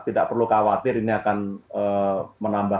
tidak perlu khawatir ini akan menambah